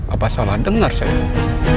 apa salah dengar sayang